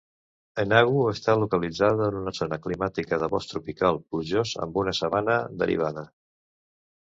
Enugu està localitzada en una zona climàtica de bosc tropical plujós amb una sabana derivada.